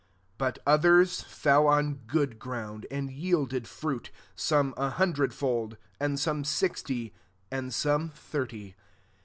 8 But others fell on good ground, and yielded fruit, some a hun dred:/b/<f, and some sixty, and some thirty.